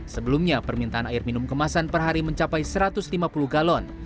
sebelumnya permintaan air minum kemasan per hari mencapai satu ratus lima puluh galon